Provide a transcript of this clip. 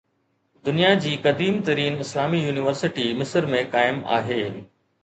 دنيا جي قديم ترين اسلامي يونيورسٽي مصر ۾ قائم آهي